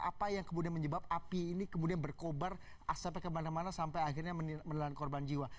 apa yang kemudian menyebab api ini kemudian berkobar sampai kemana mana sampai akhirnya menelan korban jiwa